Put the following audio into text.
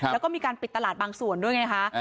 แล้วก็มีการปิดตลาดบางส่วนด้วยไงคะ